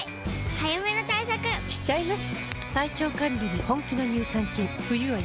早めの対策しちゃいます。